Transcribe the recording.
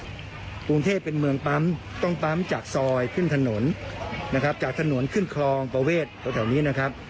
กรุงเทพเป็นเมืองปั๊มต้องปั๊มจากซอยขึ้นถนนนะครับจากถนนขึ้นคลองประเวทแถวนี้นะครับ